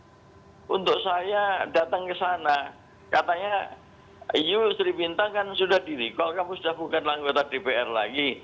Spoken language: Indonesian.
katanya iya sri bintang kan sudah di recall kamu sudah bukan anggota dpr lagi